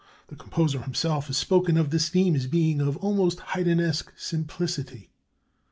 The composer himself has spoken of this theme as being of 'almost Haydnesque simplicity.'